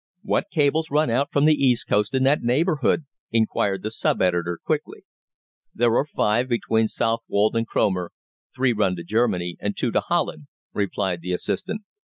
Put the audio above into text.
"What cables run out from the east coast in that neighbourhood?" inquired the sub editor quickly. "There are five between Southwold and Cromer three run to Germany, and two to Holland," replied the assistant.